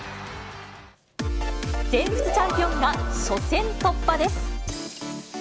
全仏チャンピオンが初戦突破です。